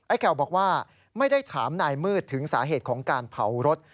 แก่วบอกว่าไม่ได้ถามนายมืดถึงสาเหตุของการเผารถ